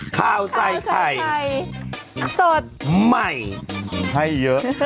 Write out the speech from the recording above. ข่าวใส่ไข่สดใหม่ให้เยอะ